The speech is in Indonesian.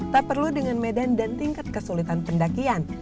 tak perlu dengan medan dan tingkat kesulitan pendakian